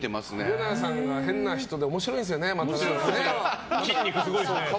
岩永さんが変な人で面白いんですよね。